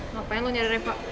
ngapain lo nyari tereva